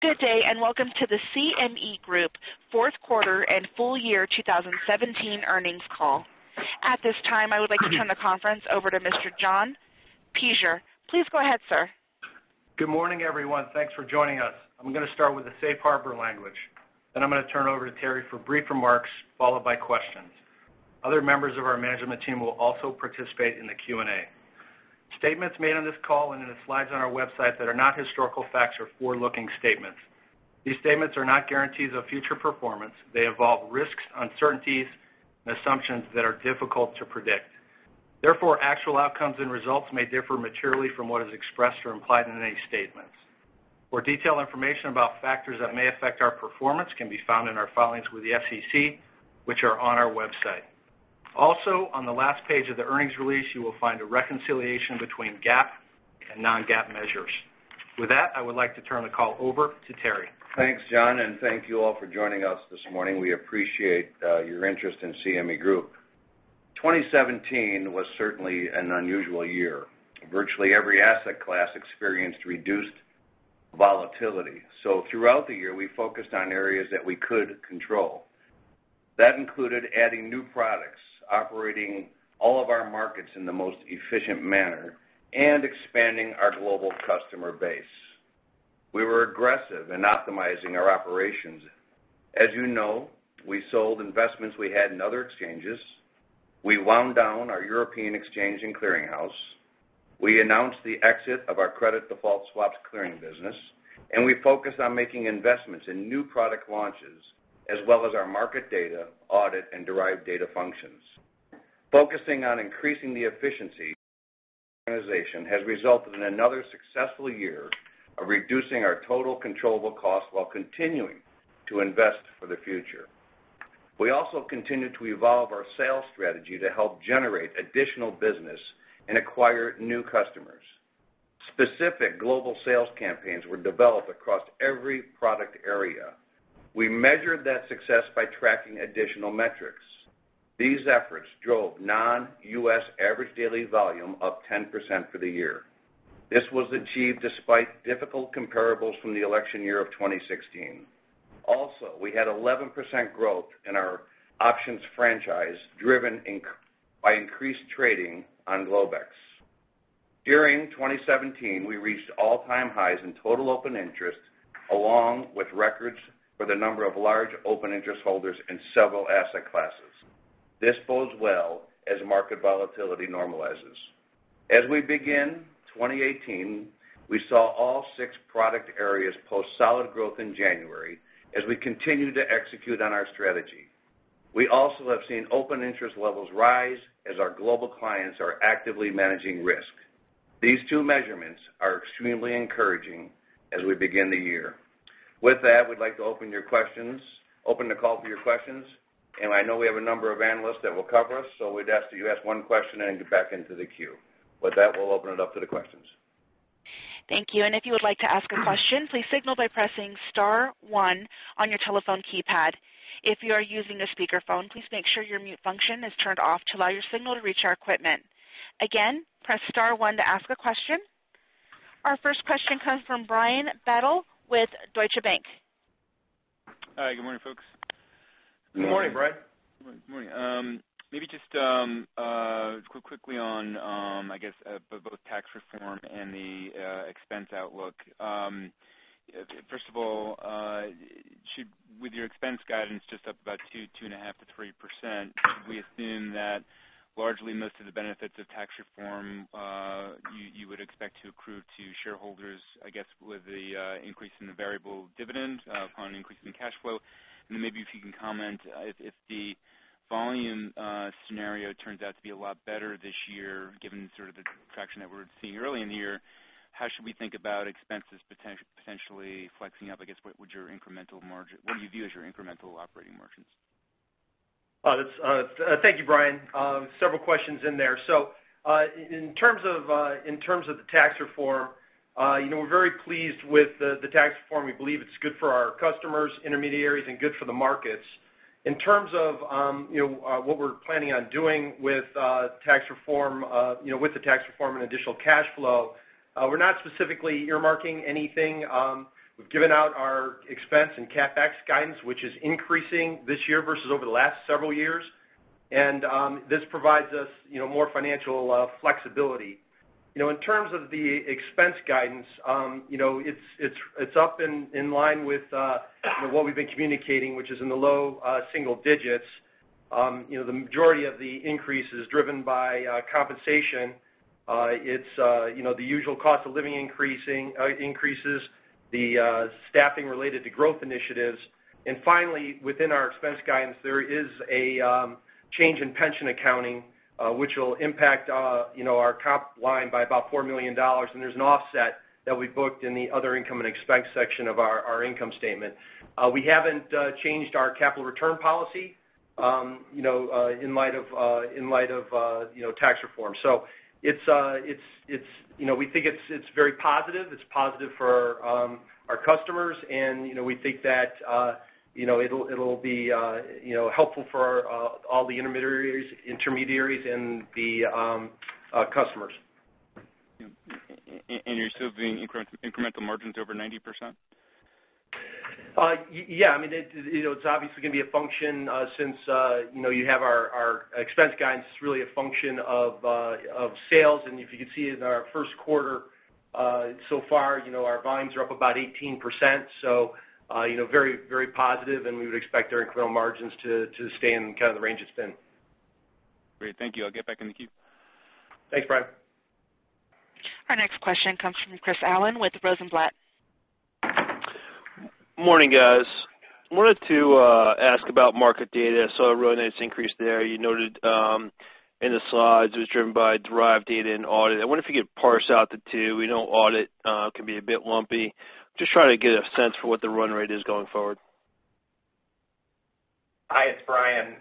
Good day, welcome to the CME Group fourth quarter and full year 2017 earnings call. At this time, I would like to turn the conference over to Mr. John Peyser. Please go ahead, sir. Good morning, everyone. Thanks for joining us. I'm going to start with the safe harbor language, I'm going to turn it over to Terry for brief remarks, followed by questions. Other members of our management team will also participate in the Q&A. Statements made on this call and in the slides on our website that are not historical facts are forward-looking statements. These statements are not guarantees of future performance. They involve risks, uncertainties, and assumptions that are difficult to predict. Therefore, actual outcomes and results may differ materially from what is expressed or implied in any statements. More detailed information about factors that may affect our performance can be found in our filings with the SEC, which are on our website. Also, on the last page of the earnings release, you will find a reconciliation between GAAP and non-GAAP measures. With that, I would like to turn the call over to Terry. Thanks, John, thank you all for joining us this morning. We appreciate your interest in CME Group. 2017 was certainly an unusual year. Virtually every asset class experienced reduced volatility. Throughout the year, we focused on areas that we could control. That included adding new products, operating all of our markets in the most efficient manner, and expanding our global customer base. We were aggressive in optimizing our operations. As you know, we sold investments we had in other exchanges, we wound down our European exchange and clearinghouse, we announced the exit of our credit default swaps clearing business, and we focused on making investments in new product launches, as well as our market data, audit, and derived data functions. Focusing on increasing the efficiency of the organization has resulted in another successful year of reducing our total controllable cost while continuing to invest for the future. We also continued to evolve our sales strategy to help generate additional business and acquire new customers. Specific global sales campaigns were developed across every product area. We measured that success by tracking additional metrics. These efforts drove non-U.S. average daily volume up 10% for the year. This was achieved despite difficult comparables from the election year of 2016. Also, we had 11% growth in our options franchise driven by increased trading on Globex. During 2017, we reached all-time highs in total open interest, along with records for the number of large open interest holders in several asset classes. This bodes well as market volatility normalizes. As we begin 2018, we saw all six product areas post solid growth in January as we continue to execute on our strategy. We also have seen open interest levels rise as our global clients are actively managing risk. These two measurements are extremely encouraging as we begin the year. With that, we'd like to open the call for your questions. I know we have a number of analysts that will cover us, so we'd ask that you ask one question and then get back into the queue. With that, we'll open it up to the questions. Thank you. If you would like to ask a question, please signal by pressing *1 on your telephone keypad. If you are using a speakerphone, please make sure your mute function is turned off to allow your signal to reach our equipment. Again, press *1 to ask a question. Our first question comes from Brian Bedell with Deutsche Bank. Hi, good morning, folks. Good morning, Brian. Good morning. Maybe just quickly on both tax reform and the expense outlook. First of all, with your expense guidance just up about 2.5%-3%, we assume that largely most of the benefits of tax reform you would expect to accrue to shareholders, I guess, with the increase in the variable dividend upon increase in cash flow. Maybe if you can comment if the volume scenario turns out to be a lot better this year, given sort of the traction that we're seeing early in the year, how should we think about expenses potentially flexing up? I guess, what do you view as your incremental operating margins? Thank you, Brian. Several questions in there. In terms of the tax reform, we're very pleased with the tax reform. We believe it's good for our customers, intermediaries, and good for the markets. In terms of what we're planning on doing with the tax reform and additional cash flow, we're not specifically earmarking anything. We've given out our expense and CapEx guidance, which is increasing this year versus over the last several years. This provides us more financial flexibility. In terms of the expense guidance, it's up in line with what we've been communicating, which is in the low single digits. The majority of the increase is driven by compensation. It's the usual cost of living increases, the staffing related to growth initiatives. Finally, within our expense guidance, there is a change in pension accounting, which will impact our top line by about $4 million, and there's an offset that we booked in the other income and expense section of our income statement. We haven't changed our capital return policy in light of tax reform. We think it's very positive. It's positive for our customers, and we think that it'll be helpful for all the intermediaries and the customers. You're still seeing incremental margins over 90%? Yeah. It's obviously going to be a function, since you have our expense guidance, it's really a function of sales. If you can see it in our first quarter so far, our volumes are up about 18%. Very positive, and we would expect our incremental margins to stay in the range it's been. Great. Thank you. I'll get back in the queue. Thanks, Brian. Our next question comes from Chris Allen with Rosenblatt. Morning, guys. I wanted to ask about market data. I saw a really nice increase there. You noted in the slides it was driven by derived data and audit. I wonder if you could parse out the two. We know audit can be a bit lumpy. Just trying to get a sense for what the run rate is going forward. Hi, it's Brian.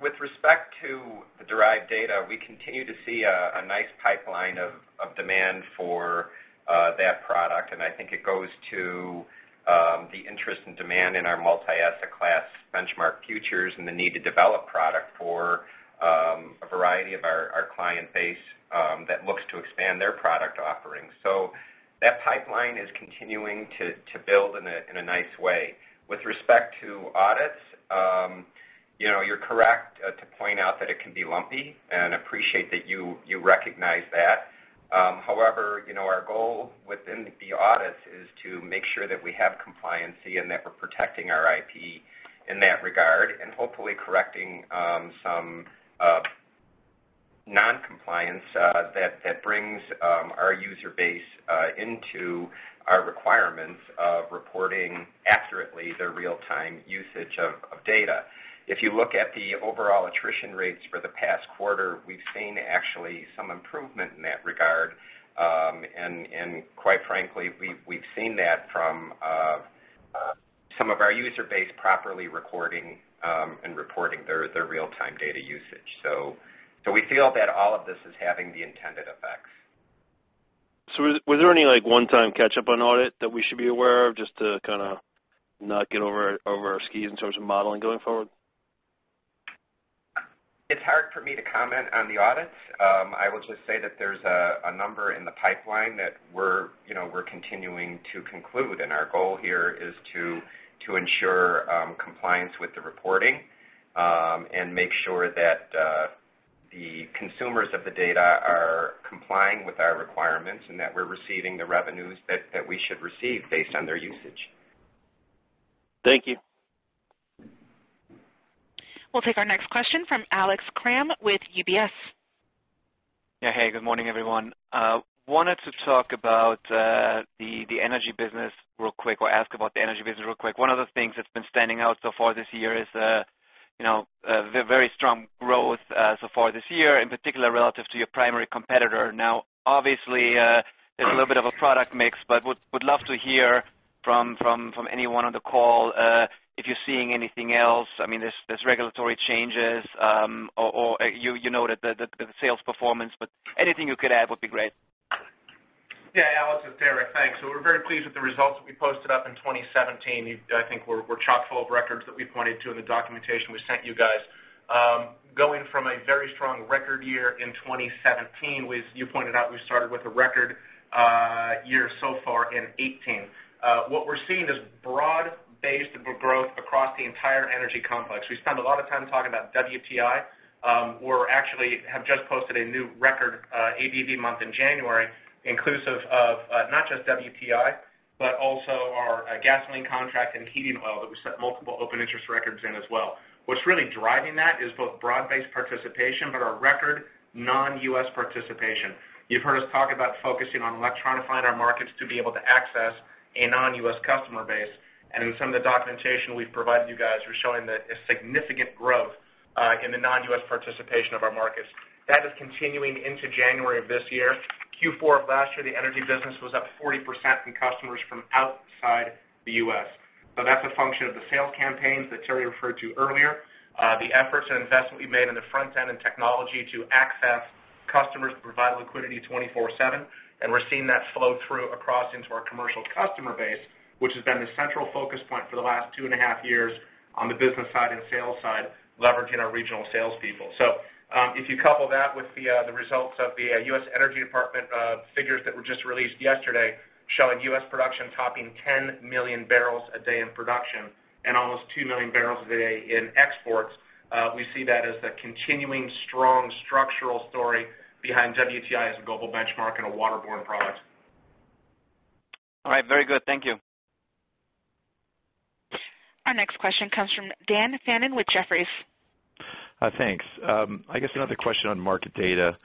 With respect to the derived data, we continue to see a nice pipeline of demand for that product. I think it goes to the interest and demand in our multi-asset class benchmark futures and the need to develop product for a variety of our client base that looks to expand their product offerings. That pipeline is continuing to build in a nice way. With respect to audits, you're correct to point out that it can be lumpy, and appreciate that you recognized that. However, our goal within the audits is to make sure that we have compliancy and that we're protecting our IP in that regard, and hopefully correcting some non-compliance that brings our user base into our requirements of reporting accurately their real-time usage of data. If you look at the overall attrition rates for the past quarter, we've seen actually some improvement in that regard. Quite frankly, we've seen that from some of our user base properly recording and reporting their real-time data usage. We feel that all of this is having the intended effects. Was there any one-time catch-up on audit that we should be aware of just to not get over our skis in terms of modeling going forward? It's hard for me to comment on the audits. I will just say that there's a number in the pipeline that we're continuing to conclude, and our goal here is to ensure compliance with the reporting, and make sure that the consumers of the data are complying with our requirements, and that we're receiving the revenues that we should receive based on their usage. Thank you. We'll take our next question from Alex Kramm with UBS. Yeah. Hey, good morning, everyone. Wanted to talk about the energy business real quick, or ask about the energy business real quick. One of the things that's been standing out so far this year is the very strong growth so far this year, in particular, relative to your primary competitor. Obviously, there's a little bit of a product mix, but would love to hear from anyone on the call if you're seeing anything else. Regulatory changes, or you know the sales performance, but anything you could add would be great. Yeah, Alex, it's Derek. Thanks. We're very pleased with the results that we posted up in 2017. I think we're chock-full of records that we pointed to in the documentation we sent you guys. Going from a very strong record year in 2017, you pointed out we started with a record year so far in 2018. What we're seeing is broad-based growth across the entire energy complex. We spend a lot of time talking about WTI. We actually have just posted a new record ADV month in January, inclusive of not just WTI, but also our gasoline contract and heating oil that we set multiple open interest records in as well. What's really driving that is both broad-based participation, but our record non-U.S. participation. You've heard us talk about focusing on electronifying our markets to be able to access a non-U.S. customer base. In some of the documentation we've provided you guys, we're showing a significant growth in the non-U.S. participation of our markets. That is continuing into January of this year. Q4 of last year, the energy business was up 40% in customers from outside the U.S. That's a function of the sales campaigns that Terry referred to earlier, the efforts and investment we made on the front end in technology to access customers to provide liquidity 24/7. We're seeing that flow through across into our commercial customer base, which has been the central focus point for the last two and a half years on the business side and sales side, leveraging our regional sales people. If you couple that with the results of the U.S. Energy Department figures that were just released yesterday, showing U.S. production topping 10 million barrels a day in production and almost 2 million barrels a day in exports, we see that as the continuing strong structural story behind WTI as a global benchmark and a waterborne product. All right. Very good. Thank you. Our next question comes from Dan Fannon with Jefferies. Thanks. I guess another question on market data.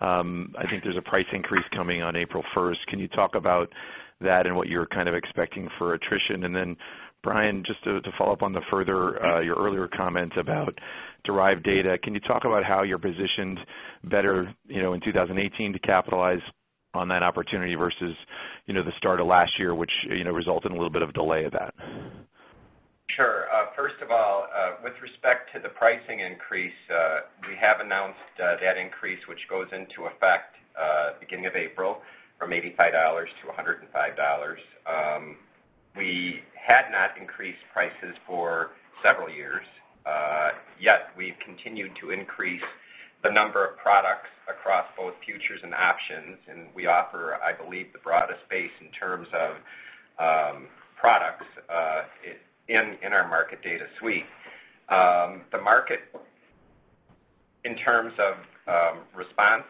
I think there's a price increase coming on April 1st. Can you talk about that and what you're expecting for attrition? Then Brian, just to follow up on your earlier comments about derived data, can you talk about how you're positioned better in 2018 to capitalize on that opportunity versus the start of last year, which resulted in a little bit of a delay of that? Sure. First of all, with respect to the pricing increase, we have announced that increase, which goes into effect beginning of April, from $85-$105. We had not increased prices for several years, yet we've continued to increase the number of products across both futures and options, and we offer, I believe, the broadest base in terms of products in our market data suite. The market, in terms of response,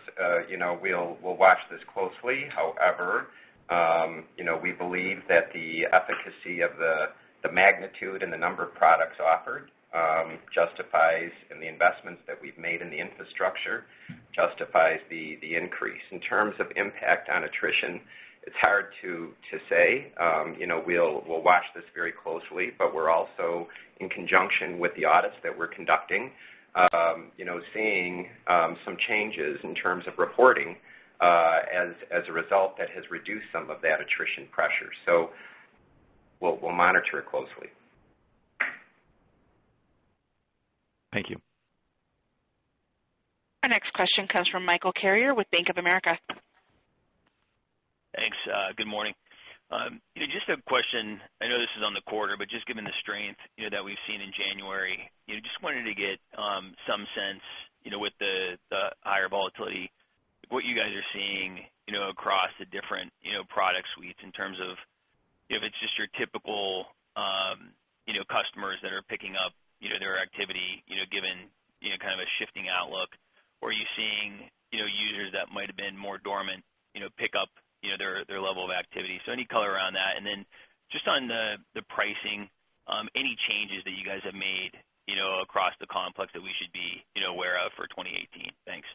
we'll watch this closely. However, we believe that the efficacy of the magnitude and the number of products offered, and the investments that we've made in the infrastructure, justifies the increase. In terms of impact on attrition, it's hard to say. We'll watch this very closely, but we're also, in conjunction with the audits that we're conducting, seeing some changes in terms of reporting, as a result that has reduced some of that attrition pressure. We'll monitor it closely. Thank you. Our next question comes from Michael Carrier with Bank of America. Thanks. Good morning. Just a question. I know this is on the quarter, but just given the strength that we've seen in January, just wanted to get some sense, with the higher volatility, what you guys are seeing, across the different product suites in terms of if it's just your typical customers that are picking up their activity, given a shifting outlook. Are you seeing users that might've been more dormant pick up their level of activity? Any color around that, and then just on the pricing, any changes that you guys have made across the complex that we should be aware of for 2018? Thanks.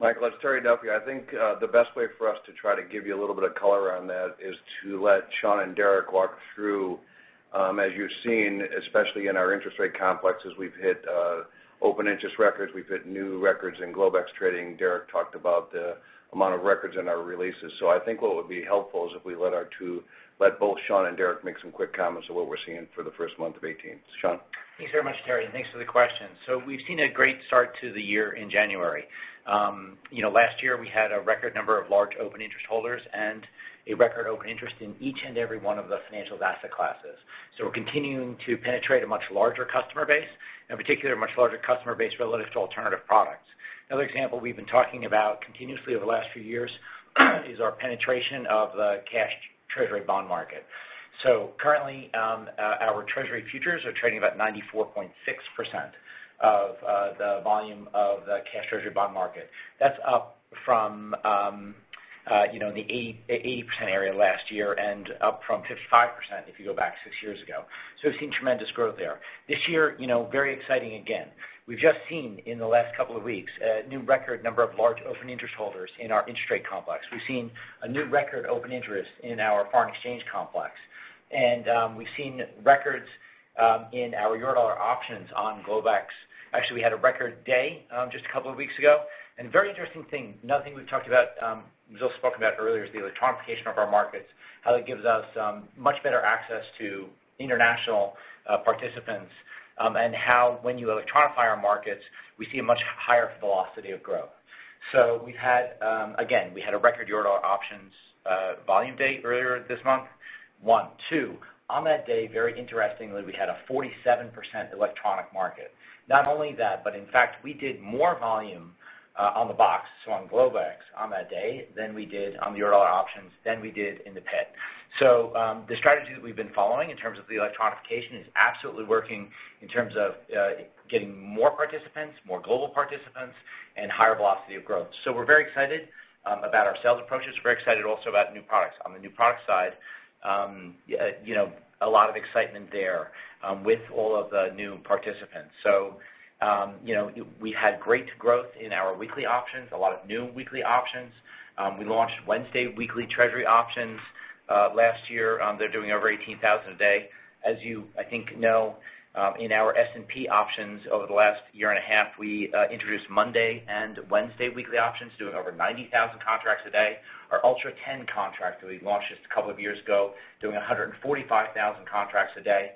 Michael Carrier, it is Terry Duffy. I think the best way for us to try to give you a little bit of color around that is to let Sean and Derek walk through, as you have seen, especially in our interest rate complexes, we have hit open interest records, we have hit new records in Globex trading. Derek talked about the amount of records in our releases. I think what would be helpful is if we let both Sean and Derek make some quick comments on what we are seeing for the first month of 2018. Sean? Thanks very much, Terry. Thanks for the question. We have seen a great start to the year in January. Last year, we had a record number of large open interest holders and a record open interest in each and every one of the financial asset classes. We are continuing to penetrate a much larger customer base, in particular, a much larger customer base relative to alternative products. Another example we have been talking about continuously over the last few years, is our penetration of the cash treasury bond market. Currently, our treasury futures are trading about 94.6% of the volume of the cash treasury bond market. That is up from the 80% area last year and up from 55% if you go back six years ago. We have seen tremendous growth there. This year, very exciting again. We have just seen in the last couple of weeks a new record number of large open interest holders in our interest rate complex. We have seen a new record open interest in our foreign exchange complex, and we have seen records in our Eurodollar options on Globex. Actually, we had a record day just a couple of weeks ago. Very interesting thing, another thing we have talked about, [inaudible] spoke about earlier, is the electronification of our markets, how that gives us much better access to international participants, and how when you electronify our markets, we see a much higher velocity of growth. We have had, again, we had a record Eurodollar options volume day earlier this month, one. Two, on that day, very interestingly, we had a 47% electronic market. Not only that, in fact, we did more volume on the box, on Globex on that day, than we did on the Eurodollar options, than we did in the pit. The strategy that we have been following in terms of the electronification is absolutely working in terms of getting more participants, more global participants, and higher velocity of growth. We are very excited about our sales approaches. We are excited also about new products. On the new product side, a lot of excitement there with all of the new participants. We have had great growth in our weekly options, a lot of new weekly options. We launched Wednesday weekly Treasury options, last year. They are doing over 18,000 a day. As you, I think, know, in our S&P options over the last year and a half, we introduced Monday and Wednesday weekly options, doing over 90,000 contracts a day. Our Ultra 10 contract that we launched just a couple of years ago, doing 145,000 contracts a day.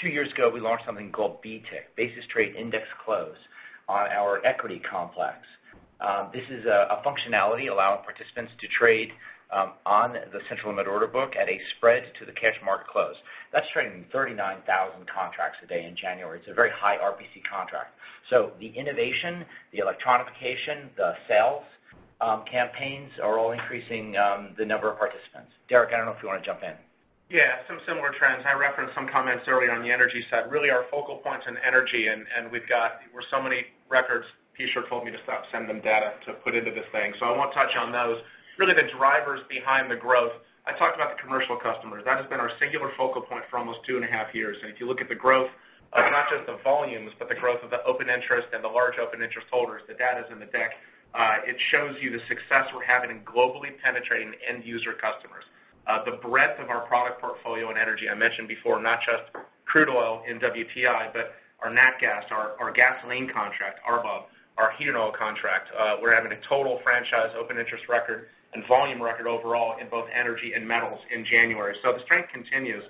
Two years ago, we launched something called BTIC, Basis Trade at Index Close, on our equity complex. This is a functionality allowing participants to trade on the central limit order book at a spread to the cash market close. That's trading 39,000 contracts a day in January. It's a very high RPC contract. The innovation, the electronification, the sales campaigns are all increasing the number of participants. Derek, I don't know if you want to jump in. Yeah, some similar trends. I referenced some comments earlier on the energy side, really our focal points in energy, and we've got so many records, Peyser told me to stop sending them data to put into this thing. I won't touch on those. Really the drivers behind the growth, I talked about the commercial customers. That has been our singular focal point for almost two and a half years, and if you look at the growth of not just the volumes, but the growth of the open interest and the large open interest holders, the data's in the deck, it shows you the success we're having in globally penetrating end user customers. The breadth of our product portfolio in energy, I mentioned before, not just crude oil in WTI, but our nat gas, our gasoline contract, RBOB, our heating oil contract. We're having a total franchise open interest record and volume record overall in both energy and metals in January. The strength continues,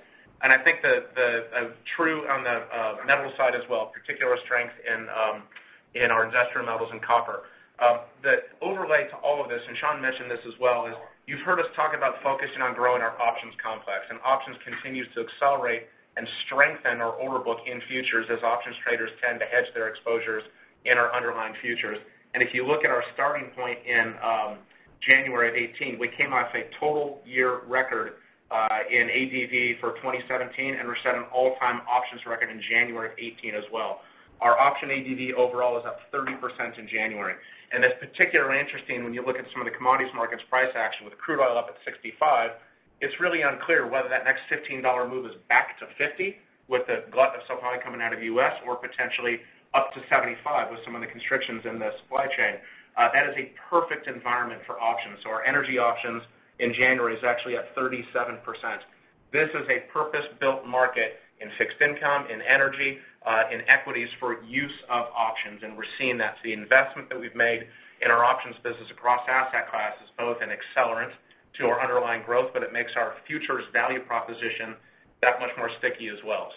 and I think the true on the metals side as well, particular strength in our industrial metals and copper. The overlay to all of this, and Sean mentioned this as well, is you've heard us talk about focusing on growing our options complex. Options continues to accelerate and strengthen our order book in futures as options traders tend to hedge their exposures in our underlying futures. If you look at our starting point in January of 2018, we came off a total year record in ADV for 2017, and we're set an all-time options record in January of 2018 as well. Our option ADV overall is up 30% in January, and that's particularly interesting when you look at some of the commodities markets price action with crude oil up at 65. It's really unclear whether that next $15 move is back to 50 with the glut of supply coming out of the U.S. or potentially up to 75 with some of the constrictions in the supply chain. That is a perfect environment for options. Our energy options in January is actually up 37%. This is a purpose-built market in fixed income, in energy, in equities for use of options, and we're seeing that. The investment that we've made in our options business across asset classes, both an accelerant to our underlying growth, but it makes our futures value proposition that much more sticky as well.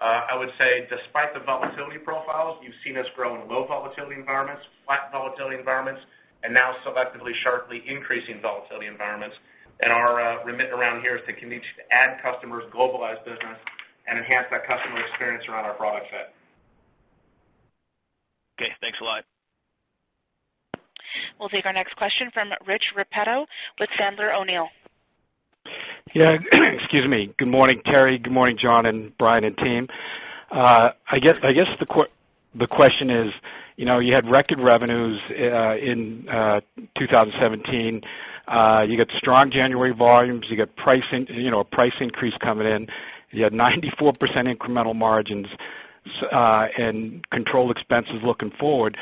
I would say despite the volatility profiles, you've seen us grow in low volatility environments, flat volatility environments, and now selectively sharply increasing volatility environments. Our remit around here is to continue to add customers, globalize business, and enhance that customer experience around our product set. Okay, thanks a lot. We'll take our next question from Rich Repetto with Sandler O'Neill. Yeah. Excuse me. Good morning, Terry. Good morning, John and Brian and team. I guess the question is, you had record revenues in 2017. You got strong January volumes. You got a price increase coming in. You had 94% incremental margins, and controlled expenses looking forward.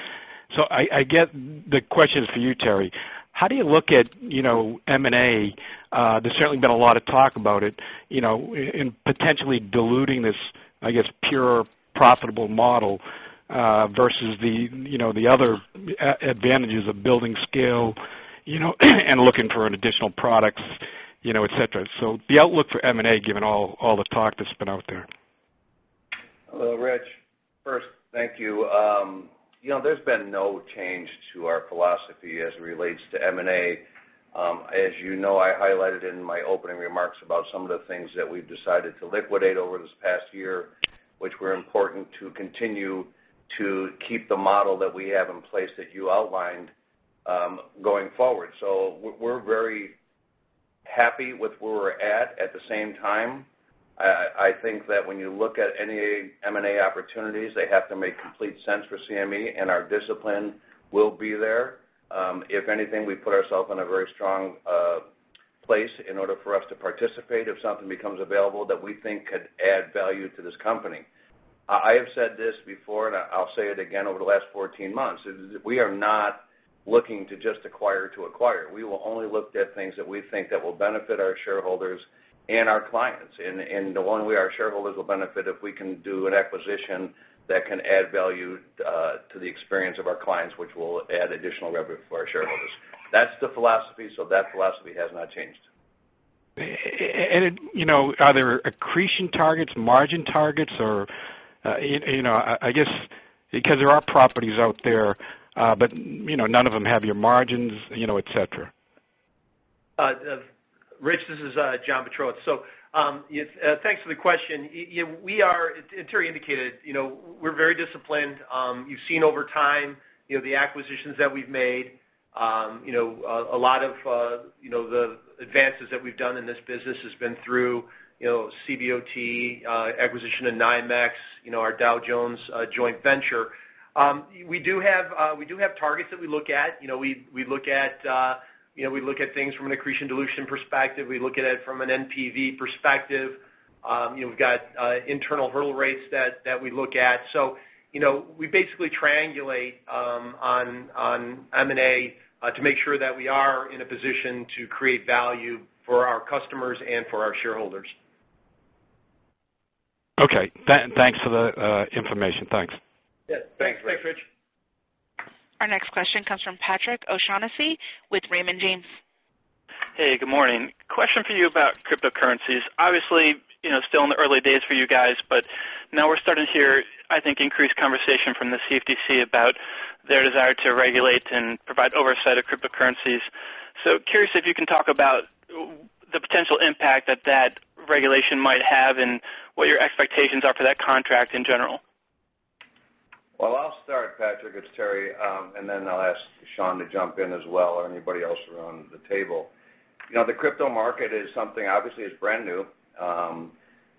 I guess the question is for you, Terry. How do you look at M&A? There's certainly been a lot of talk about it, in potentially diluting this, I guess, pure profitable model, versus the other advantages of building scale, and looking for additional products, et cetera. The outlook for M&A, given all the talk that's been out there. Hello, Rich. First, thank you. There's been no change to our philosophy as it relates to M&A. As you know, I highlighted in my opening remarks about some of the things that we've decided to liquidate over this past year, which were important to continue to keep the model that we have in place that you outlined, going forward. We're very happy with where we're at. At the same time, I think that when you look at any M&A opportunities, they have to make complete sense for CME, and our discipline will be there. If anything, we put ourself in a very strong place in order for us to participate if something becomes available that we think could add value to this company. I have said this before, and I'll say it again, over the last 14 months, is we are not looking to just acquire to acquire. We will only look at things that we think that will benefit our shareholders and our clients. The one way our shareholders will benefit, if we can do an acquisition that can add value to the experience of our clients, which will add additional revenue for our shareholders. That's the philosophy, so that philosophy has not changed. Are there accretion targets, margin targets, or I guess because there are properties out there, but none of them have your margins, et cetera? Rich, this is John Pietrowicz. Thanks for the question. As Terry indicated, we're very disciplined. You've seen over time the acquisitions that we've made. A lot of the advances that we've done in this business has been through CBOT, acquisition of NYMEX, our Dow Jones joint venture. We do have targets that we look at. We look at things from an accretion dilution perspective. We look at it from an NPV perspective. We've got internal hurdle rates that we look at. We basically triangulate on M&A to make sure that we are in a position to create value for our customers and for our shareholders. Okay. Thanks for the information. Thanks. Yeah. Thanks. Thanks, Rich. Our next question comes from Patrick O'Shaughnessy with Raymond James. Good morning. Question for you about cryptocurrencies. Obviously, still in the early days for you guys. Now we're starting to hear, I think, increased conversation from the CFTC about their desire to regulate and provide oversight of cryptocurrencies. Curious if you can talk about the potential impact that that regulation might have and what your expectations are for that contract in general. Well, I'll start, Patrick, it's Terry. Then I'll ask Sean to jump in as well or anybody else around the table. The crypto market is something obviously is brand new,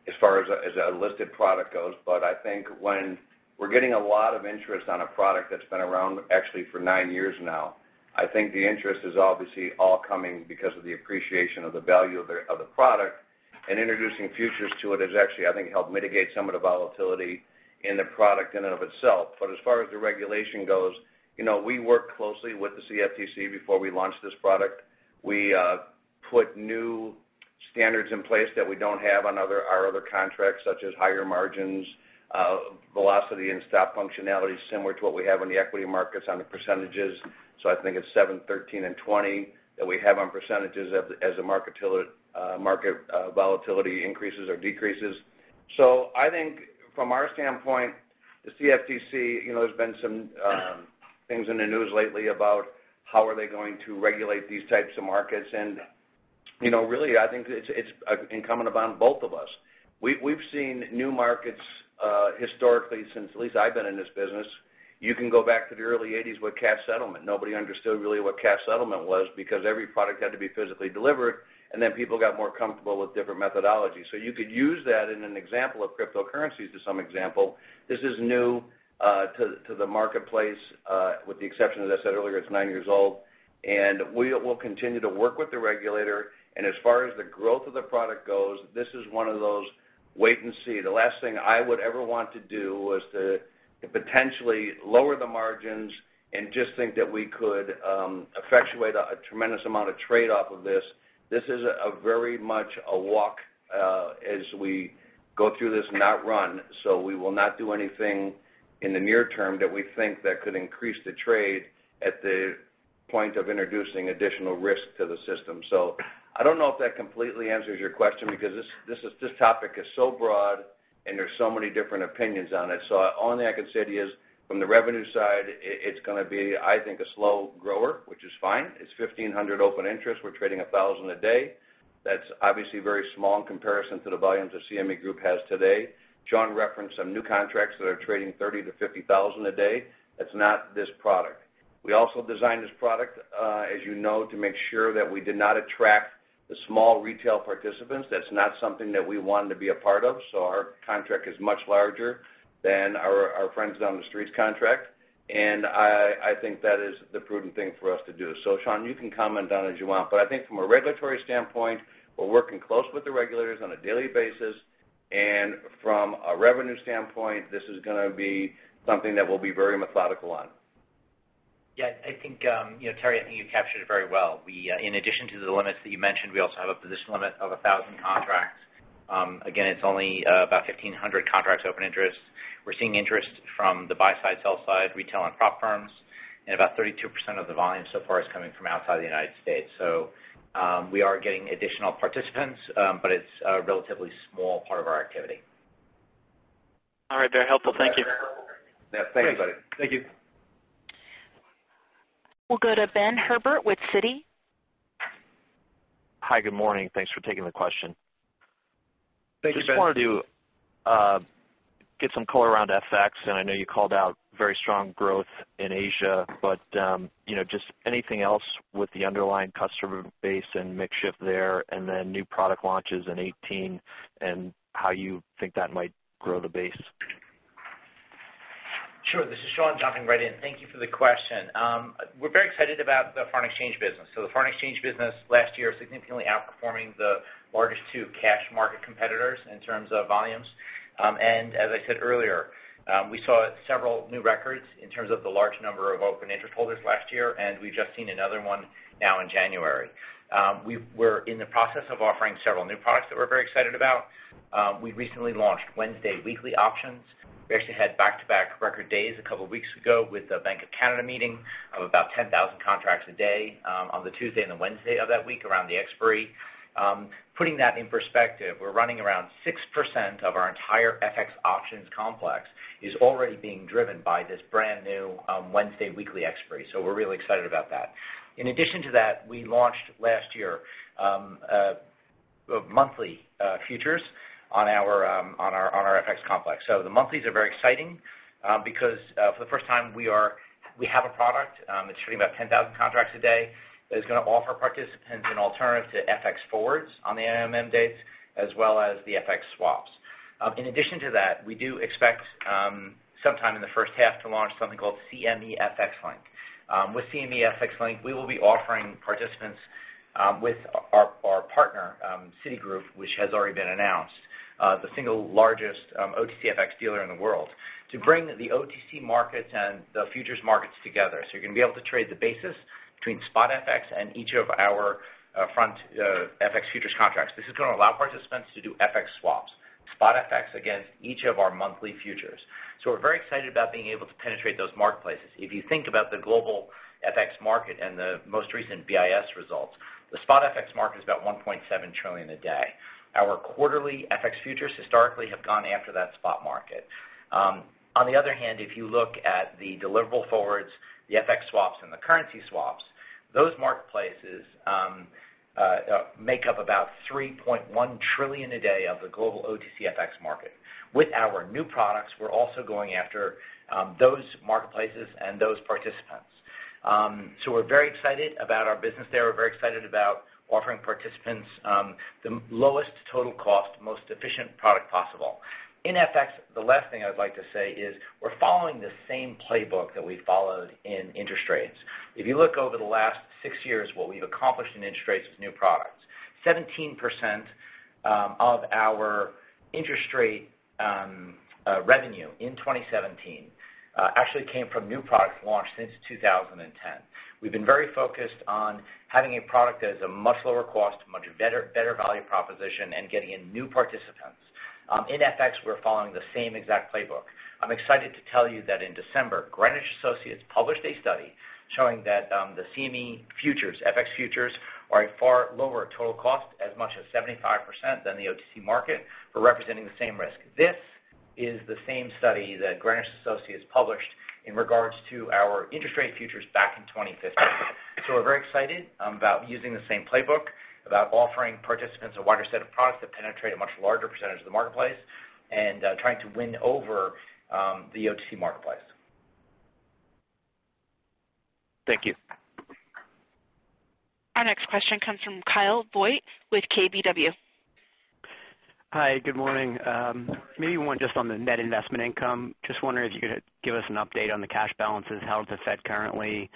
as far as a listed product goes. I think when we're getting a lot of interest on a product that's been around actually for nine years now, I think the interest is obviously all coming because of the appreciation of the value of the product and introducing futures to it has actually, I think, helped mitigate some of the volatility in the product in and of itself. As far as the regulation goes, we worked closely with the CFTC before we launched this product. We put new standards in place that we don't have on our other contracts, such as higher margins, velocity and stop functionality similar to what we have in the equity markets on the percentages. I think it's 7, 13, and 20 that we have on percentages as the market volatility increases or decreases. I think from our standpoint, the CFTC, there's been some things in the news lately about how are they going to regulate these types of markets. Really, I think it's incumbent upon both of us. We've seen new markets historically, since at least I've been in this business. You can go back to the early '80s with cash settlement. Nobody understood really what cash settlement was because every product had to be physically delivered. Then people got more comfortable with different methodologies. You could use that in an example of cryptocurrencies as some example. This is new to the marketplace, with the exception, as I said earlier, it's nine years old. We will continue to work with the regulator. As far as the growth of the product goes, this is one of those wait-and-see. The last thing I would ever want to do was to potentially lower the margins and just think that we could effectuate a tremendous amount of trade off of this. This is a very much a walk as we go through this, not run. We will not do anything in the near term that we think that could increase the trade at the point of introducing additional risk to the system. I don't know if that completely answers your question because this topic is so broad and there's so many different opinions on it. Only I can say to you is, from the revenue side, it's going to be, I think, a slow grower, which is fine. It's 1,500 open interest. We're trading 1,000 a day. That's obviously very small in comparison to the volumes that CME Group has today. Sean referenced some new contracts that are trading 30,000-50,000 a day. That's not this product. We also designed this product, as you know, to make sure that we did not attract the small retail participants. That's not something that we wanted to be a part of, our contract is much larger than our friends down the street's contract, and I think that is the prudent thing for us to do. Sean, you can comment on it as you want, but I think from a regulatory standpoint, we're working close with the regulators on a daily basis, and from a revenue standpoint, this is going to be something that we'll be very methodical on. I think, Terry, I think you captured it very well. In addition to the limits that you mentioned, we also have a position limit of 1,000 contracts. Again, it's only about 1,500 contracts open interest. We're seeing interest from the buy-side, sell-side, retail, and prop firms, and about 32% of the volume so far is coming from outside the U.S. We are getting additional participants, but it's a relatively small part of our activity. All right. Very helpful. Thank you. Yeah. Thanks, buddy. Thank you. We'll go to Ben Herbert with Citi. Hi, good morning. Thanks for taking the question. Thank you, Ben. Just wanted to get some color around FX, and I know you called out very strong growth in Asia, but just anything else with the underlying customer base and mix shift there, and then new product launches in 2018 and how you think that might grow the base? Sure. This is Sean jumping right in. Thank you for the question. We're very excited about the foreign exchange business. The foreign exchange business last year significantly outperforming the largest two cash market competitors in terms of volumes. As I said earlier, we saw several new records in terms of the large number of open interest holders last year, and we've just seen another one now in January. We're in the process of offering several new products that we're very excited about. We recently launched Wednesday weekly options. We actually had back-to-back record days a couple of weeks ago with the Bank of Canada meeting of about 10,000 contracts a day, on the Tuesday and the Wednesday of that week around the expiry. Putting that in perspective, we're running around 6% of our entire FX options complex is already being driven by this brand-new Wednesday weekly expiry, so we're really excited about that. In addition to that, we launched last year, monthly futures on our FX complex. The monthlies are very exciting because, for the first time, we have a product, it's trading about 10,000 contracts a day, that is going to offer participants an alternative to FX forwards on the MM dates as well as the FX swaps. In addition to that, we do expect, sometime in the first half to launch something called CME FX Link. With CME FX Link, we will be offering participants with our partner, Citigroup, which has already been announced, the single largest OTC FX dealer in the world, to bring the OTC markets and the futures markets together. You're going to be able to trade the basis between spot FX and each of our front FX futures contracts. This is going to allow participants to do FX swaps, spot FX against each of our monthly futures. We're very excited about being able to penetrate those marketplaces. If you think about the global FX market and the most recent BIS results, the spot FX market is about $1.7 trillion a day. Our quarterly FX futures historically have gone after that spot market. On the other hand, if you look at the deliverable forwards, the FX swaps, and the currency swaps, those marketplaces make up about $3.1 trillion a day of the global OTC FX market. With our new products, we're also going after those marketplaces and those participants. We're very excited about our business there. We're very excited about offering participants the lowest total cost, most efficient product possible. In FX, the last thing I would like to say is, we're following the same playbook that we followed in interest rates. If you look over the last six years, what we've accomplished in interest rates with new products, 17% of our interest rate revenue in 2017 actually came from new products launched since 2010. We've been very focused on having a product that is a much lower cost, much better value proposition, and getting in new participants. In FX, we're following the same exact playbook. I'm excited to tell you that in December, Greenwich Associates published a study Showing that the CME futures, FX futures are a far lower total cost, as much as 75%, than the OTC market for representing the same risk. This is the same study that Greenwich Associates published in regards to our interest rate futures back in 2015. We're very excited about using the same playbook, about offering participants a wider set of products that penetrate a much larger percentage of the marketplace, and trying to win over the OTC marketplace. Thank you. Our next question comes from Kyle Voigt with KBW. Hi, good morning. Maybe one just on the net investment income. Just wondering if you could give us an update on the cash balances held at the Fed currently,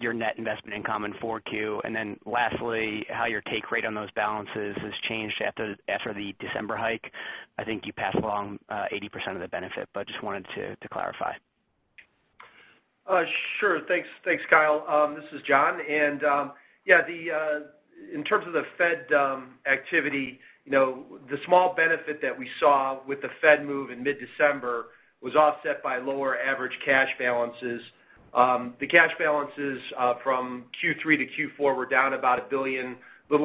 your net investment income in 4Q. Lastly, how your take rate on those balances has changed after the December hike. I think you passed along 80% of the benefit, just wanted to clarify. Sure. Thanks, Kyle. This is John. In terms of the Fed activity, the small benefit that we saw with the Fed move in mid-December was offset by lower average cash balances. The cash balances from Q3 to Q4 were down about a little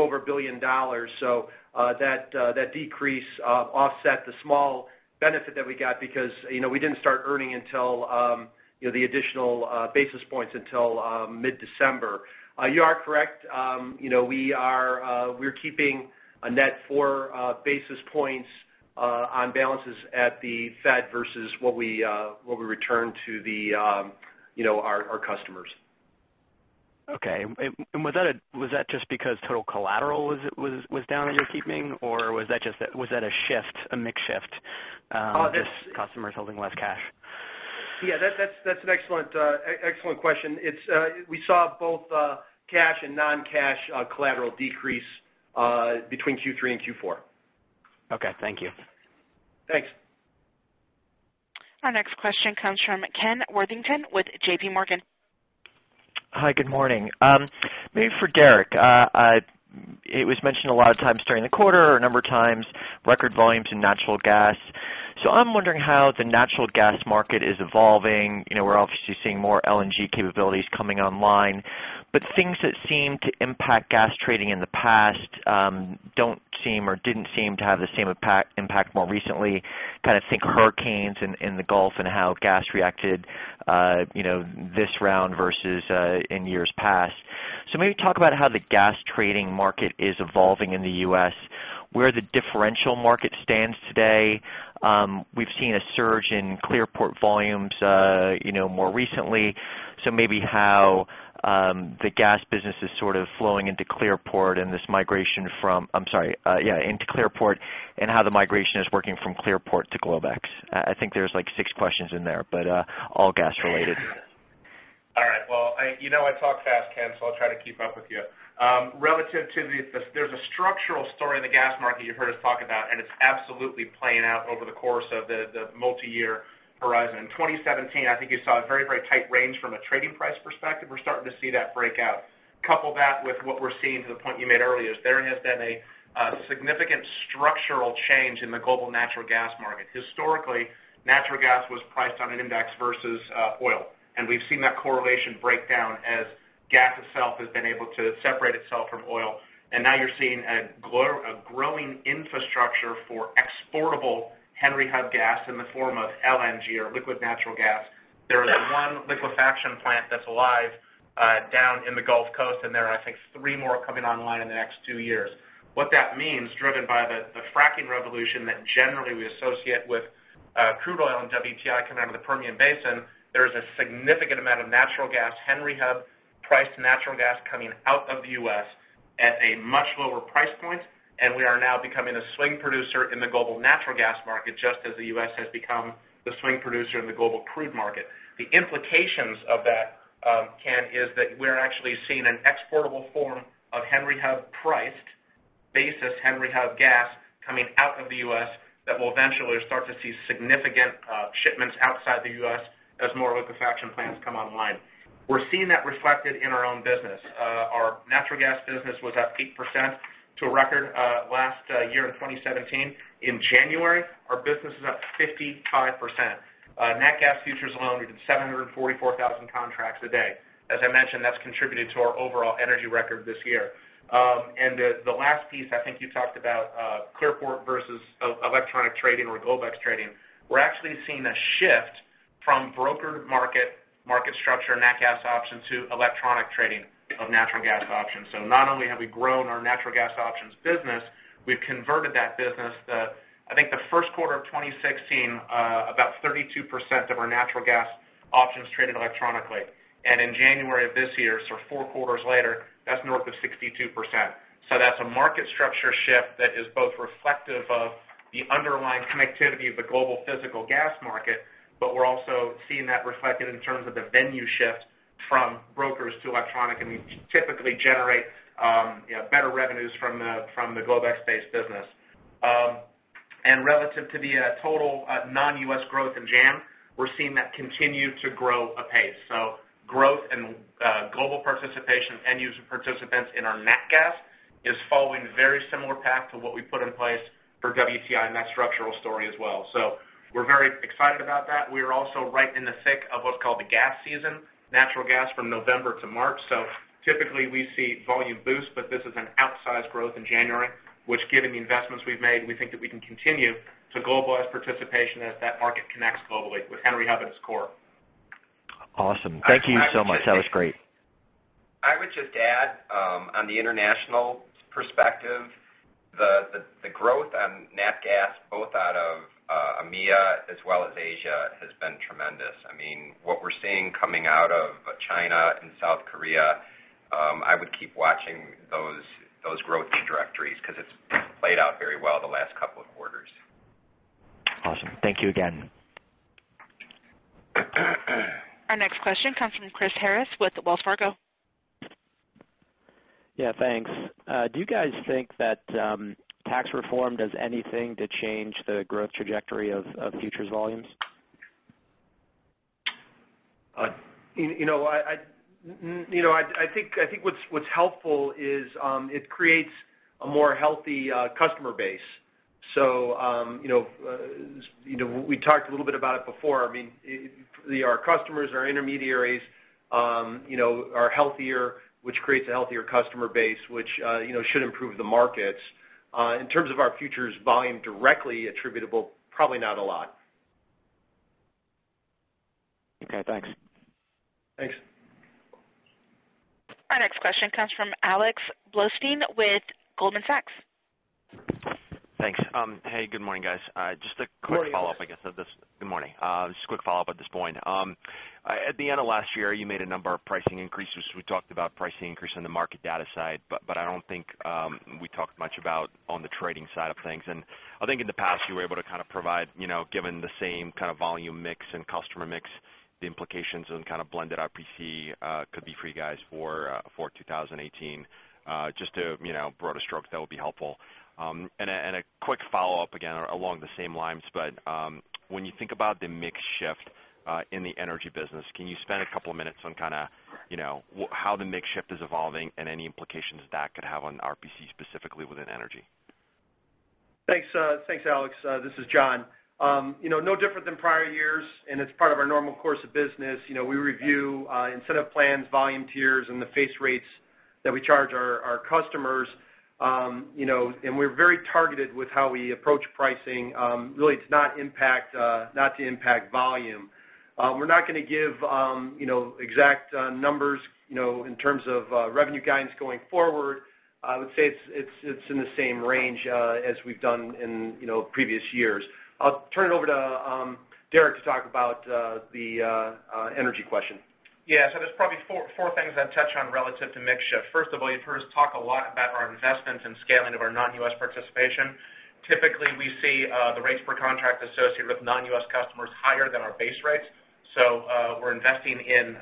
over $1 billion. That decrease offset the small benefit that we got because we didn't start earning the additional basis points until mid-December. You are correct. We're keeping a net four basis points on balances at the Fed versus what we return to our customers. Okay. Was that just because total collateral was down in your keeping, or was that a mix shift? Oh. just customers holding less cash? Yeah, that's an excellent question. We saw both cash and non-cash collateral decrease between Q3 and Q4. Okay, thank you. Thanks. Our next question comes from Ken Worthington with JPMorgan. Hi, good morning. Maybe for Derek. It was mentioned a lot of times during the quarter or a number of times, record volumes in natural gas. I'm wondering how the natural gas market is evolving. We're obviously seeing more LNG capabilities coming online, things that seemed to impact gas trading in the past don't seem or didn't seem to have the same impact more recently. Kind of think hurricanes in the Gulf and how gas reacted this round versus in years past. Maybe talk about how the gas trading market is evolving in the U.S., where the differential market stands today. We've seen a surge in ClearPort volumes more recently, maybe how the gas business is sort of flowing into ClearPort and how the migration is working from ClearPort to Globex. I think there's six questions in there, all gas related. All right. Well, you know I talk fast, Ken, I'll try to keep up with you. There's a structural story in the gas market you've heard us talk about, it's absolutely playing out over the course of the multi-year horizon. In 2017, I think you saw a very tight range from a trading price perspective. We're starting to see that break out. Couple that with what we're seeing to the point you made earlier, is there has been a significant structural change in the global natural gas market. Historically, natural gas was priced on an index versus oil, we've seen that correlation break down as gas itself has been able to separate itself from oil. Now you're seeing a growing infrastructure for exportable Henry Hub gas in the form of LNG or liquid natural gas. There is one liquefaction plant that's alive down in the Gulf Coast, and there are, I think, three more coming online in the next two years. What that means, driven by the fracking revolution that generally we associate with crude oil and WTI coming out of the Permian Basin, there is a significant amount of natural gas, Henry Hub-priced natural gas, coming out of the U.S. at a much lower price point, and we are now becoming a swing producer in the global natural gas market, just as the U.S. has become the swing producer in the global crude market. The implications of that, Ken, is that we're actually seeing an exportable form of Henry Hub priced versus Henry Hub gas coming out of the U.S. that we'll eventually start to see significant shipments outside the U.S. as more liquefaction plants come online. We're seeing that reflected in our own business. Our natural gas business was up 8% to a record last year in 2017. In January, our business was up 55%. Nat gas futures alone, we did 744,000 contracts a day. As I mentioned, that's contributed to our overall energy record this year. The last piece, I think you talked about ClearPort versus electronic trading or Globex trading. We're actually seeing a shift from brokered market structure nat gas options to electronic trading of natural gas options. Not only have we grown our natural gas options business, we've converted that business. I think the first quarter of 2016, about 32% of our natural gas options traded electronically. In January of this year, so four quarters later, that's north of 62%. That's a market structure shift that is both reflective of the underlying connectivity of the global physical gas market, but we're also seeing that reflected in terms of the venue shift from brokers to electronic, and we typically generate better revenues from the Globex-based business. Relative to the total non-U.S. growth in January, we're seeing that continue to grow apace. Growth and global participation, end user participants in our nat gas is following a very similar path to what we put in place for WTI and that structural story as well. We're very excited about that. We are also right in the thick of what's called the gas season, natural gas from November to March. Typically we see volume boost, but this is an outsized growth in January, which given the investments we've made, we think that we can continue to globalize participation as that market connects globally with Henry Hub at its core. Awesome. Thank you so much. That was great. I would just add, on the international perspective, the growth on nat gas, both out of EMEA as well as Asia, has been tremendous. What we're seeing coming out of China and South Korea, I would keep watching those growth trajectories because it's played out very well the last couple of quarters. Awesome. Thank you again. Our next question comes from Chris Harris with Wells Fargo. Yeah, thanks. Do you guys think that tax reform does anything to change the growth trajectory of futures volumes? I think what's helpful is it creates a more healthy customer base. We talked a little bit about it before. Our customers, our intermediaries are healthier, which creates a healthier customer base, which should improve the markets. In terms of our futures volume directly attributable, probably not a lot. Okay, thanks. Thanks. Our next question comes from Alex Blostein with Goldman Sachs. Thanks. Hey, good morning, guys. Good morning. Just a quick follow-up, I guess. Good morning. Just a quick follow-up at this point. At the end of last year, you made a number of pricing increases. We talked about pricing increase on the market data side, but I don't think we talked much about on the trading side of things. I think in the past, you were able to provide, given the same kind of volume mix and customer mix, the implications and kind of blended RPC could be for you guys for 2018. Just at a broader stroke, that would be helpful. A quick follow-up, again, along the same lines, but when you think about the mix shift in the energy business, can you spend a couple of minutes on how the mix shift is evolving and any implications that could have on RPC, specifically within energy? Thanks, Alex. This is John. No different than prior years, it's part of our normal course of business. We review incentive plans, volume tiers, and the face rates that we charge our customers. We're very targeted with how we approach pricing. Really, it's not to impact volume. We're not going to give exact numbers in terms of revenue guidance going forward. I would say it's in the same range as we've done in previous years. I'll turn it over to Derek to talk about the energy question. Yeah. There's probably four things I'd touch on relative to mix shift. First of all, you've heard us talk a lot about our investments and scaling of our non-U.S. participation. Typically, we see the rates per contract associated with non-U.S. customers higher than our base rates. We're investing in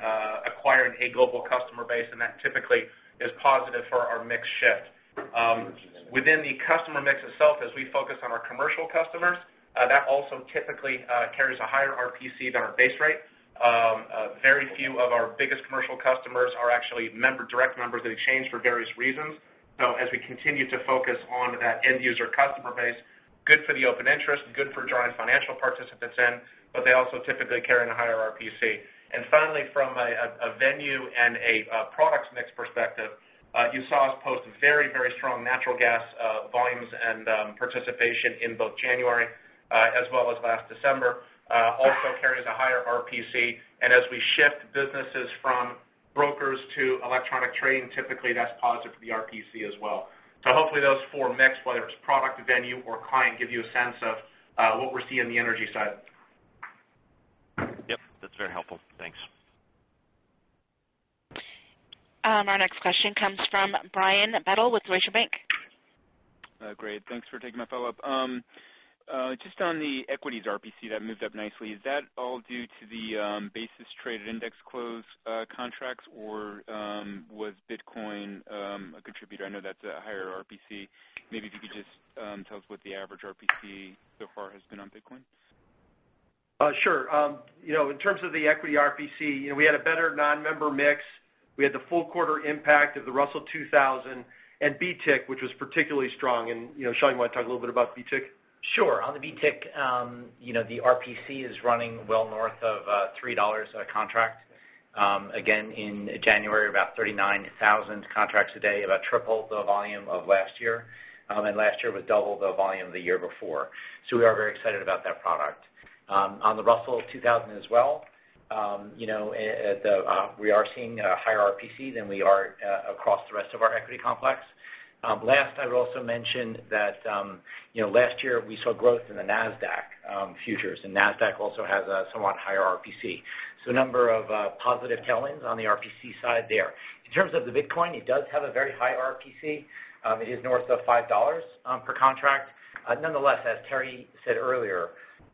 acquiring a global customer base, that typically is positive for our mix shift. Within the customer mix itself, as we focus on our commercial customers, that also typically carries a higher RPC than our base rate. Very few of our biggest commercial customers are actually direct members of the exchange for various reasons. As we continue to focus on that end user customer base, good for the open interest, good for drawing financial participants in, but they also typically carry in a higher RPC. Finally, from a venue and a product mix perspective, you saw us post very, very strong natural gas volumes and participation in both January as well as last December, also carries a higher RPC. As we shift businesses from brokers to electronic trading, typically that's positive for the RPC as well. Hopefully those four mix, whether it's product, venue, or client, give you a sense of what we're seeing on the energy side. Yep, that's very helpful. Thanks. Our next question comes from Brian Bedell with Deutsche Bank. Great. Thanks for taking my follow-up. Just on the equities RPC, that moved up nicely. Is that all due to the Basis Trade at Index Close contracts, or was Bitcoin a contributor? I know that's a higher RPC. Maybe if you could just tell us what the average RPC so far has been on Bitcoin. Sure. In terms of the equity RPC, we had a better non-member mix. We had the full quarter impact of the Russell 2000 and BTIC, which was particularly strong. Shelley, you want to talk a little bit about BTIC? Sure. On the BTIC, the RPC is running well north of $3 a contract. Again, in January, about 39,000 contracts a day, about triple the volume of last year. Last year was double the volume of the year before. We are very excited about that product. On the Russell 2000 as well, we are seeing a higher RPC than we are across the rest of our equity complex. Last, I would also mention that last year we saw growth in the Nasdaq futures, and Nasdaq also has a somewhat higher RPC. A number of positive tailwinds on the RPC side there. In terms of the Bitcoin, it does have a very high RPC. It is north of $5 per contract. Nonetheless, as Terry said earlier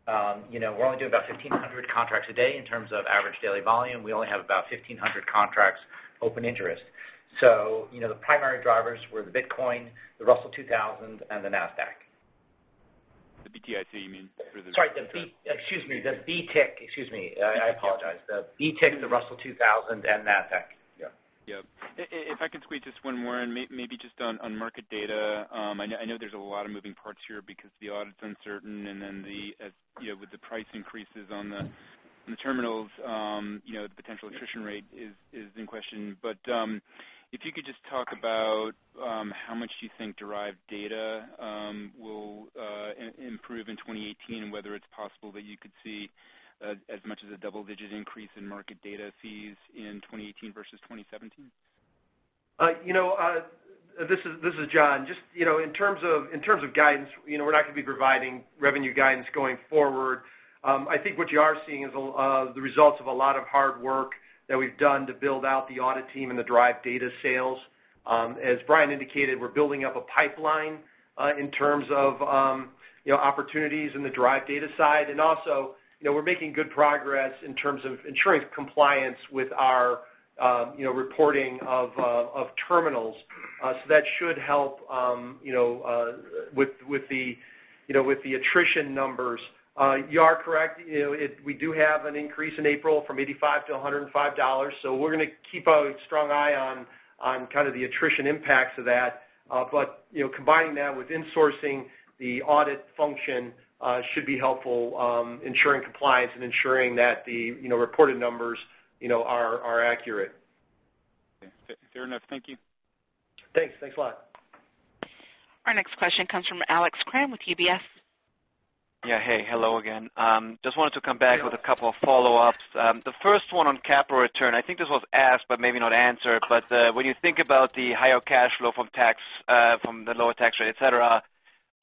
We're only doing about 1,500 contracts a day in terms of average daily volume. We only have about 1,500 contracts open interest. The primary drivers were the Bitcoin, the Russell 2000, and the Nasdaq. The BTIC, you mean? Sorry. Excuse me, the BTIC. Excuse me. I apologize. The BTIC, the Russell 2000, and Nasdaq. Yeah. Yeah. If I could squeeze just one more in, maybe just on market data. I know there's a lot of moving parts here because the audit's uncertain and then with the price increases on the terminals, the potential attrition rate is in question. If you could just talk about how much do you think derived data will improve in 2018 and whether it's possible that you could see as much as a double-digit increase in market data fees in 2018 versus 2017? This is John. Just in terms of guidance, we're not going to be providing revenue guidance going forward. I think what you are seeing is the results of a lot of hard work that we've done to build out the audit team and the derived data sales. As Brian indicated, we're building up a pipeline in terms of opportunities in the derived data side. Also, we're making good progress in terms of ensuring compliance with our reporting of terminals. That should help with the attrition numbers. You are correct, we do have an increase in April from $85 to $105. We're going to keep a strong eye on kind of the attrition impacts of that. Combining that with insourcing the audit function should be helpful ensuring compliance and ensuring that the reported numbers are accurate. Okay. Fair enough. Thank you. Thanks. Thanks a lot. Our next question comes from Alex Kramm with UBS. Hey. Hello again. Just wanted to come back with a couple of follow-ups. The first one on capital return, I think this was asked, but maybe not answered, but when you think about the higher cash flow from the lower tax rate, et cetera,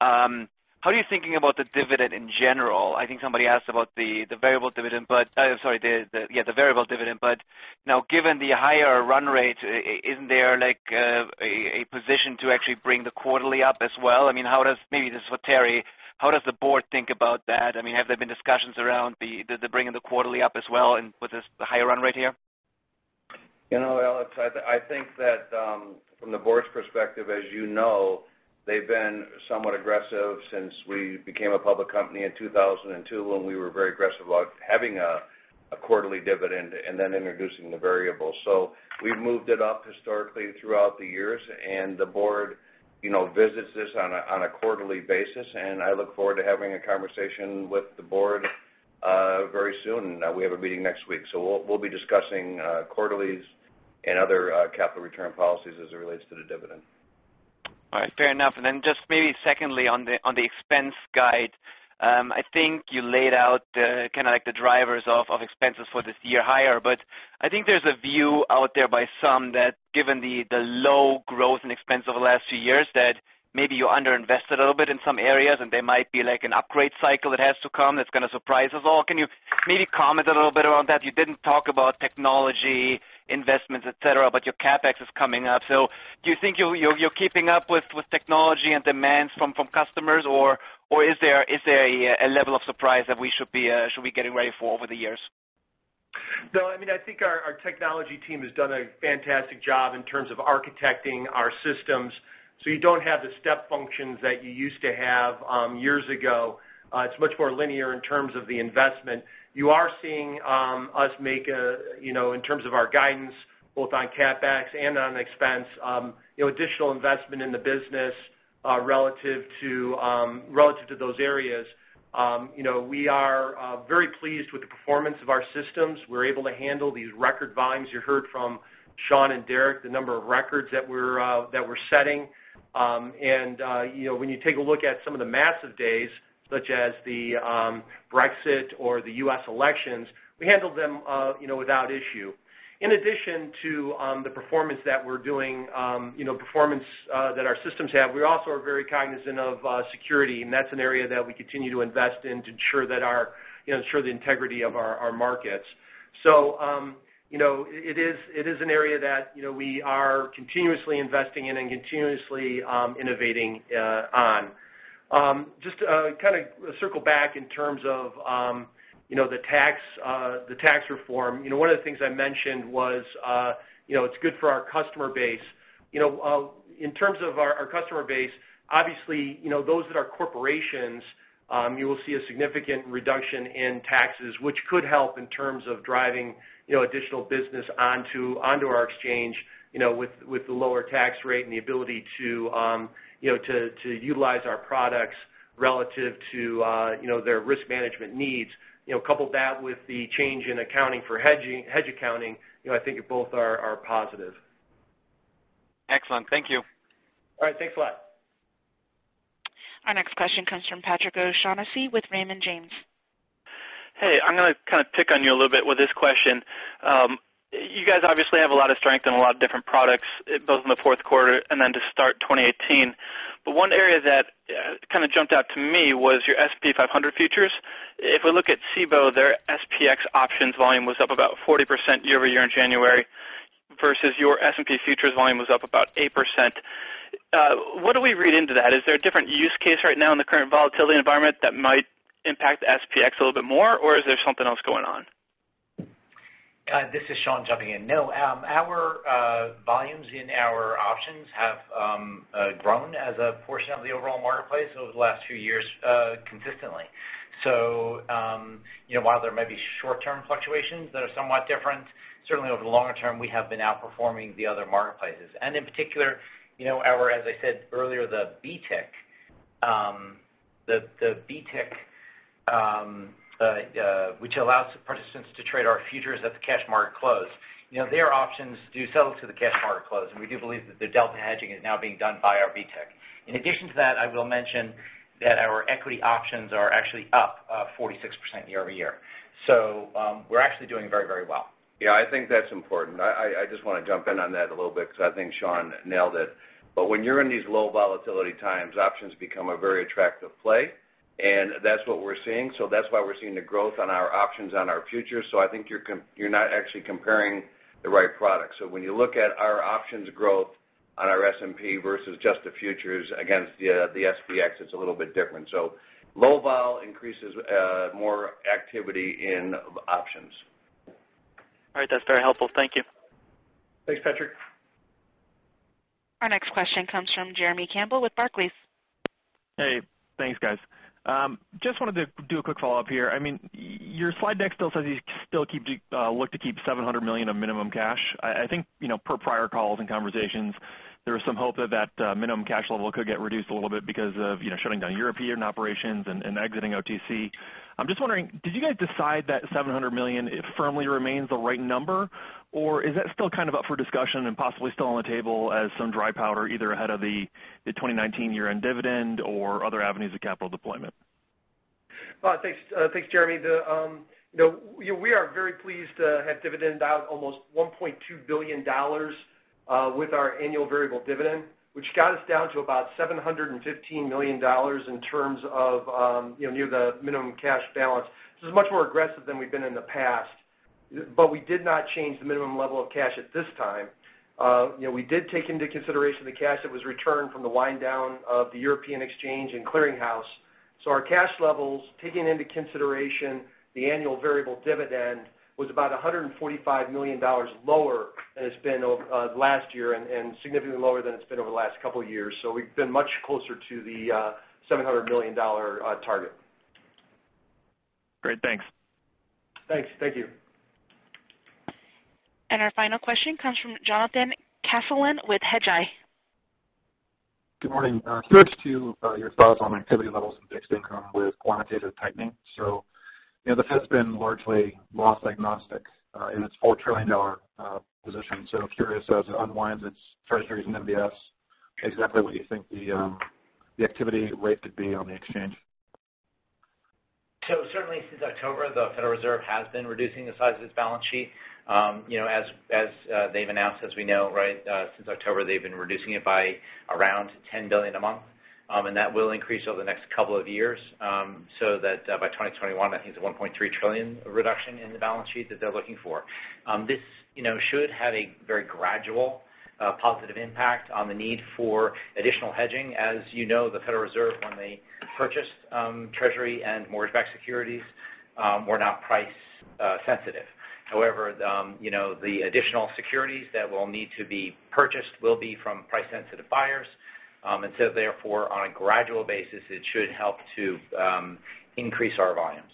how are you thinking about the dividend in general? I think somebody asked about the variable dividend. Now, given the higher run rate, isn't there a position to actually bring the quarterly up as well? Maybe this is for Terry, how does the board think about that? Have there been discussions around bringing the quarterly up as well with this higher run rate here? Alex, I think that from the board's perspective, as you know, they've been somewhat aggressive since we became a public company in 2002, when we were very aggressive about having a quarterly dividend and then introducing the variable. We've moved it up historically throughout the years, and the board visits this on a quarterly basis, and I look forward to having a conversation with the board very soon. We have a meeting next week, we'll be discussing quarterlies and other capital return policies as it relates to the dividend. All right. Fair enough. Just maybe secondly, on the expense guide, I think you laid out the drivers of expenses for this year higher, I think there's a view out there by some that given the low growth and expense over the last few years, that maybe you underinvested a little bit in some areas, there might be an upgrade cycle that has to come that's going to surprise us all. Can you maybe comment a little bit around that? You didn't talk about technology investments, et cetera, but your CapEx is coming up. Do you think you're keeping up with technology and demands from customers, or is there a level of surprise that we should be getting ready for over the years? No, I think our technology team has done a fantastic job in terms of architecting our systems, you don't have the step functions that you used to have years ago. It's much more linear in terms of the investment. You are seeing us make, in terms of our guidance, both on CapEx and on expense, additional investment in the business relative to those areas. We are very pleased with the performance of our systems. We're able to handle these record volumes. You heard from Sean and Derek the number of records that we're setting. When you take a look at some of the massive days, such as the Brexit or the U.S. elections, we handled them without issue. In addition to the performance that our systems have, we also are very cognizant of security, that's an area that we continue to invest in to ensure the integrity of our markets. It is an area that we are continuously investing in and continuously innovating on. Just to circle back in terms of the tax reform. One of the things I mentioned was, it's good for our customer base. In terms of our customer base, obviously, those that are corporations, you will see a significant reduction in taxes, which could help in terms of driving additional business onto our exchange with the lower tax rate and the ability to utilize our products relative to their risk management needs. Couple that with the change in accounting for hedge accounting, I think both are positive. Excellent. Thank you. All right. Thanks a lot. Our next question comes from Patrick O'Shaughnessy with Raymond James. Hey, I'm going to kind of pick on you a little bit with this question. You guys obviously have a lot of strength in a lot of different products, both in the fourth quarter and then to start 2018. One area that kind of jumped out to me was your S&P 500 futures. If we look at Cboe, their SPX options volume was up about 40% year-over-year in January. Versus your S&P futures volume was up about 8%. What do we read into that? Is there a different use case right now in the current volatility environment that might impact the SPX a little bit more, or is there something else going on? This is Sean jumping in. Our volumes in our options have grown as a portion of the overall marketplace over the last few years consistently. While there might be short-term fluctuations that are somewhat different, certainly over the longer term, we have been outperforming the other marketplaces. In particular, as I said earlier, the BTIC, which allows participants to trade our futures at the cash market close, their options do settle to the cash market close, and we do believe that the delta hedging is now being done by our BTIC. In addition to that, I will mention that our equity options are actually up 46% year-over-year. We're actually doing very well. Yeah, I think that's important. I just want to jump in on that a little bit because I think Sean nailed it. When you're in these low volatility times, options become a very attractive play, and that's what we're seeing. That's why we're seeing the growth on our options on our futures. I think you're not actually comparing the right products. When you look at our options growth on our S&P versus just the futures against the SPX, it's a little bit different. Low vol increases more activity in options. All right. That's very helpful. Thank you. Thanks, Patrick. Our next question comes from Jeremy Campbell with Barclays. Hey, thanks guys. Just wanted to do a quick follow-up here. Your slide deck still says you still look to keep $700 million of minimum cash. I think per prior calls and conversations, there was some hope that that minimum cash level could get reduced a little bit because of shutting down European operations and exiting OTC. I'm just wondering, did you guys decide that $700 million firmly remains the right number, or is that still up for discussion and possibly still on the table as some dry powder, either ahead of the 2019 year-end dividend or other avenues of capital deployment? Thanks, Jeremy. We are very pleased to have dividended out almost $1.2 billion with our annual variable dividend, which got us down to about $715 million in terms of near the minimum cash balance. This is much more aggressive than we've been in the past, but we did not change the minimum level of cash at this time. We did take into consideration the cash that was returned from the wind-down of the European exchange and clearinghouse. Our cash levels, taking into consideration the annual variable dividend, was about $145 million lower than it's been last year and significantly lower than it's been over the last couple of years. We've been much closer to the $700 million target. Great. Thanks. Thanks. Thank you. Our final question comes from Jonathan Casteleyn with Hedgeye. Good morning. Curious to your thoughts on activity levels in fixed income with quantitative tightening. The Fed's been largely loss agnostic in its $4 trillion position. Curious as it unwinds its Treasuries and MBS, exactly what you think the activity rate could be on the exchange. Certainly since October, the Federal Reserve has been reducing the size of its balance sheet. As they've announced, as we know, since October, they've been reducing it by around $10 billion a month, and that will increase over the next couple of years, so that by 2021, I think it's a $1.3 trillion reduction in the balance sheet that they're looking for. This should have a very gradual positive impact on the need for additional hedging. As you know, the Federal Reserve, when they purchased Treasury and mortgage-backed securities, were not price sensitive. However, the additional securities that will need to be purchased will be from price-sensitive buyers. Therefore, on a gradual basis, it should help to increase our volumes.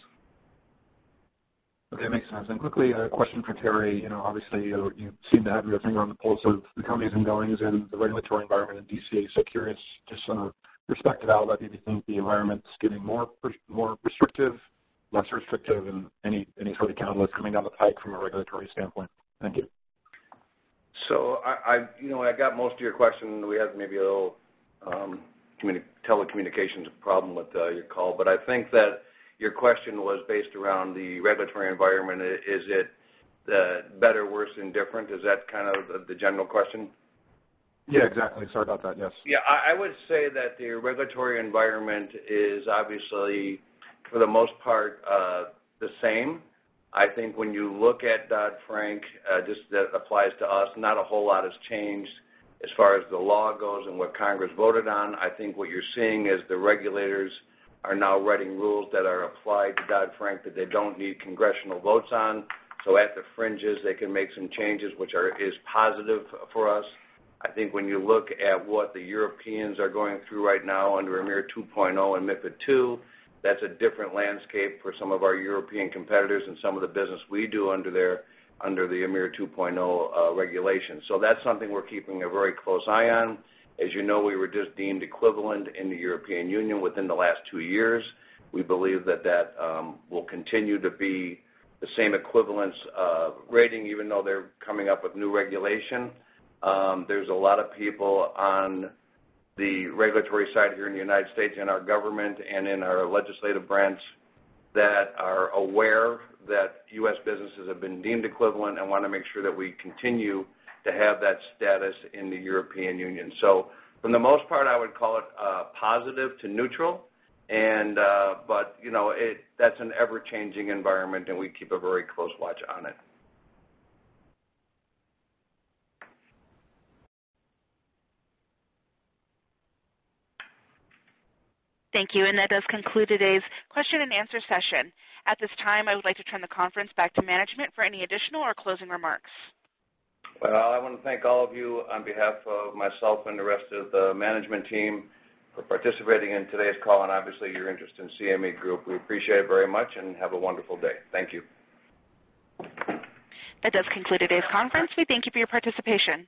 Okay, makes sense. Quickly, a question for Terry. Obviously, you seem to have your finger on the pulse of the comings and goings in the regulatory environment in D.C. Curious, just sort of your perspective out about do you think the environment's getting more restrictive, less restrictive, and any sort of catalyst coming down the pike from a regulatory standpoint? Thank you. I got most of your question. We had maybe a little telecommunications problem with your call, I think that your question was based around the regulatory environment. Is it better, worse, indifferent? Is that kind of the general question? Yeah, exactly. Sorry about that. Yes. Yeah. I would say that the regulatory environment is obviously, for the most part, the same. I think when you look at Dodd-Frank, just that applies to us, not a whole lot has changed as far as the law goes and what Congress voted on. I think what you're seeing is the regulators are now writing rules that are applied to Dodd-Frank that they don't need congressional votes on. At the fringes, they can make some changes which is positive for us. I think when you look at what the Europeans are going through right now under EMIR 2.0 and MiFID II, that's a different landscape for some of our European competitors and some of the business we do under the EMIR 2.0 regulation. That's something we're keeping a very close eye on. As you know, we were just deemed equivalent in the European Union within the last two years. We believe that will continue to be the same equivalence rating, even though they're coming up with new regulation. There's a lot of people on the regulatory side here in the U.S. and our government and in our legislative branch that are aware that U.S. businesses have been deemed equivalent and want to make sure that we continue to have that status in the European Union. For the most part, I would call it positive to neutral. That's an ever-changing environment, and we keep a very close watch on it. Thank you. That does conclude today's question and answer session. At this time, I would like to turn the conference back to management for any additional or closing remarks. I want to thank all of you on behalf of myself and the rest of the management team for participating in today's call, and obviously, your interest in CME Group. We appreciate it very much, and have a wonderful day. Thank you. That does conclude today's conference. We thank you for your participation.